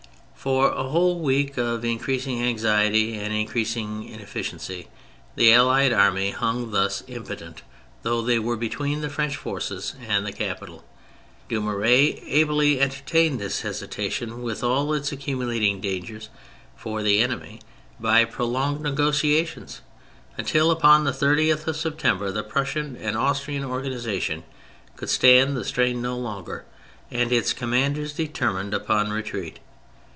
For a whole week of increasing anxiety and increasing inefficiency the Allied Army hung thus, impotent, though they were between the French forces and the capital. Dumouriez ably entertained this hesitation, with all its accumulating dangers for the enemy, by pro longed negotiations, until upon the 30th of September the Prussian and Austrian organisa tion could stand the strain no longer, and its commanders determined upon retreat.